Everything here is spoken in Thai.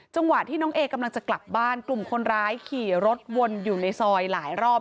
จังหวะที่น้องเอกำลังจะกลับบ้านกลุ่มคนร้ายขี่รถวนอยู่ในซอยหลายรอบ